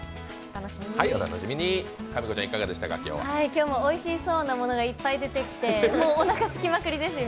今日もおいしそうなものがいっぱい出てきてもうおなか空きまくりです、今。